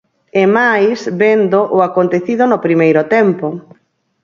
E máis, vendo o acontecido no primeiro tempo.